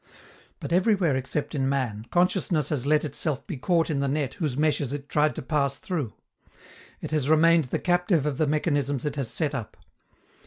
But, everywhere except in man, consciousness has let itself be caught in the net whose meshes it tried to pass through: it has remained the captive of the mechanisms it has set up.